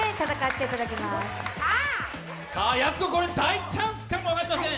やす子、これ大チャンスかも分かりません。